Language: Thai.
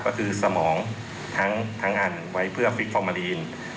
ก็คือสมองทั้งอันไว้เพื่อฟิกฟอร์มาลีน